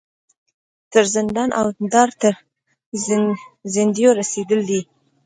تر زندان او دار تر زندیو رسېدلي دي.